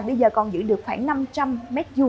bây giờ còn giữ được khoảng năm trăm linh m hai